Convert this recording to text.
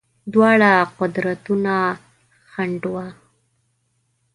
دواړه قدرتونه خنډ وه.